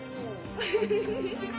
フフフフッ。